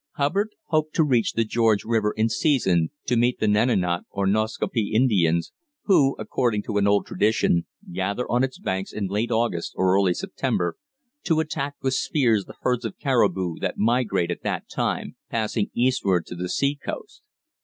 Hubbard hoped to reach the George River in season to meet the Nenenot or Nascaupee Indians, who, according to an old tradition, gather on its banks in late August or early September to attack with spears the herds of caribou that migrate at that time, passing eastward to the sea coast.